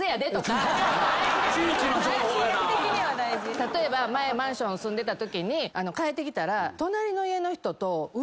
例えば前マンション住んでたときに帰ってきたら。